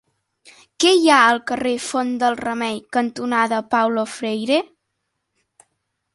Què hi ha al carrer Font del Remei cantonada Paulo Freire?